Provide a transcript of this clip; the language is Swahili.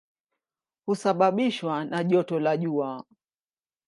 Husababishwa na joto la jua.